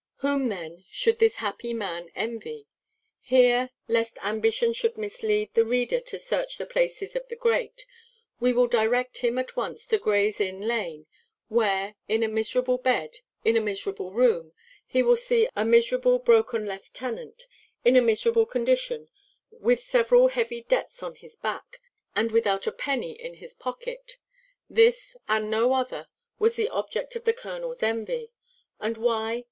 Whom then should this happy man envy? Here, lest ambition should mislead the reader to search the palaces of the great, we will direct him at once to Gray's inn lane; where, in a miserable bed, in a miserable room, he will see a miserable broken lieutenant, in a miserable condition, with several heavy debts on his back, and without a penny in his pocket. This, and no other, was the object of the colonel's envy. And why?